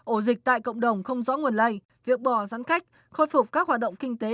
ổ dịch tại cộng đồng không rõ nguồn lây việc bỏ giãn cách khôi phục các hoạt động kinh tế